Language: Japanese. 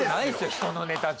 人のネタ帳。